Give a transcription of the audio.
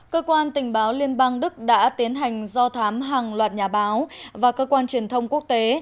cơ quan tình báo liên bang đức đã tiến hành do thám hàng loạt nhà báo và cơ quan truyền thông quốc tế